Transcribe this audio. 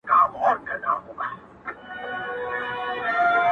• د ساقي د میوناب او د پیالو دی..